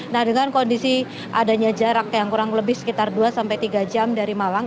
nah dengan kondisi adanya jarak yang kurang lebih sekitar dua sampai tiga jam dari malang